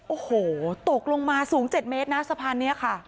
โอ้โหตกลงมาสูง๗เมตรนะสะพานนี้ค่ะ